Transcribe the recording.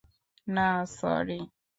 না, স্যরি।